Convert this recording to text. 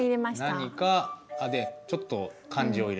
「何か、」でちょっと漢字を入れて。